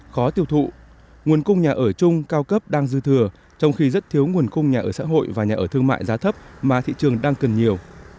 khó tiêu thụ nguồn cung nhà ở chung cao cấp đang dư thừa trong khi rất thiếu nguồn cung nhà ở xã hội và nhà ở thương mại giá thấp mà thị trường đang cần nhiều